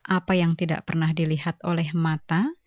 apa yang tidak pernah dilihat oleh mata